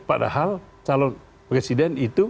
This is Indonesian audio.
padahal calon presiden itu